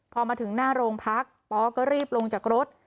พอมาถึงหน้าโรงพักปอก็รีบลงจากรถ